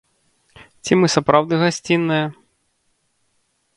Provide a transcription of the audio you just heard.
Ці мы сапраўды гасцінныя?